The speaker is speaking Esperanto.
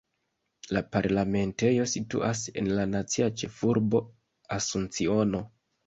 La parlamentejo situas en la nacia ĉefurbo Asunciono.